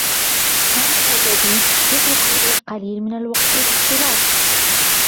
عملي الجديد يترك لي القليل من الوقت للاختلاط.